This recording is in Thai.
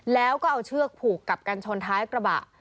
แล้วก็เอาเชือกผูกกับกันชนท้ายกระบะ